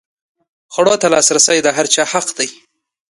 خوړو ته لاسرسی د هر چا حق دی.